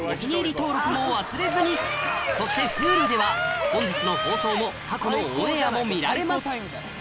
登録も忘れずにそしてＨｕｌｕでは本日の放送も過去のオンエアも見られます